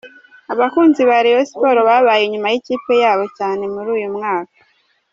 Abakunzi ba Rayon Sport babaye inyuma y’ikipe yabo cyane muri uyu mwaka.